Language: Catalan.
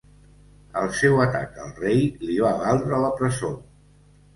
El seu atac al rei li va valdre la presó.